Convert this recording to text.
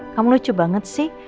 kamu lucu banget sih